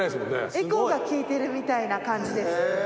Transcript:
エコーが利いてるみたいな感じです。